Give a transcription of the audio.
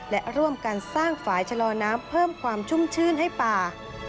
และร่วมกันสร้างฝ่ายชะลอน้ำเพิ่มความชุ่มชื่นให้ป่า